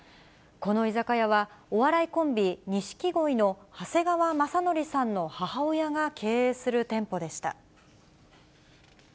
この居酒屋は、お笑いコンビ、錦鯉の長谷川雅紀さんの母親が経営する店舗でした。